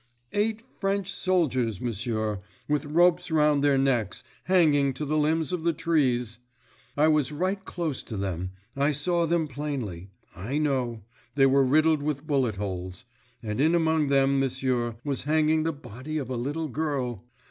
"Eight French soldiers, m'sieur, with ropes round their necks, hanging to the limbs of the trees! I was right close to them. I saw them plainly. I know. They were riddled with bullet holes. And in among them, m'sieur, was hanging the body of a little girl.